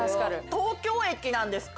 東京駅なんですか？